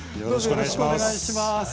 よろしくお願いします。